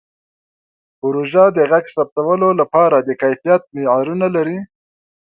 پروژه د غږ ثبتولو لپاره د کیفیت معیارونه لري.